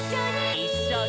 「いっしょに」